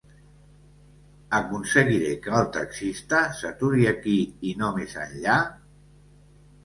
“Aconseguiré que el taxista s'aturi aquí i no més enllà?